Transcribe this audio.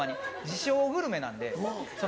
自称グルメなんで。